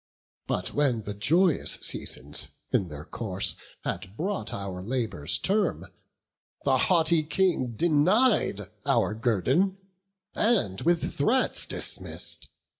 But when the joyous seasons, in their course, Had brought our labour's term, the haughty King Denied our guerdon, and with threats dismiss'd.